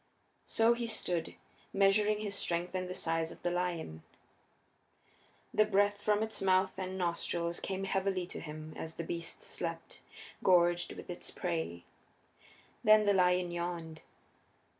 So he stood, measuring his strength and the size of the lion. The breath from its mouth and nostrils came heavily to him as the beast slept, gorged with its prey. Then the lion yawned.